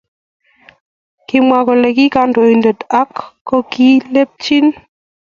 Kimwa kole ki konyoindet ako ki lembech